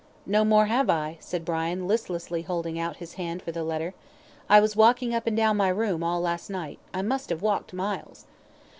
"No, more I have," said Brian, listlessly holding out his hand for the letter. "I was walking up and down my room all last night I must have walked miles."